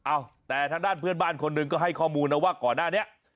เอ้าแต่ทางด้านเพื่อนบ้านคนหนึ่งก็ให้ข้อมูลนะว่าก่อนหน้านี้